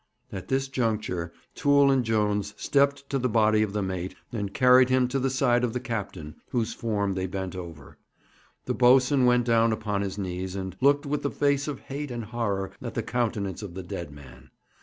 At this juncture Toole and Jones stepped to the body of the mate, and carried him to the side of the captain, whose form they bent over. The boatswain went down upon his knees, and looked with a face of hate and horror at the countenance of the dead man.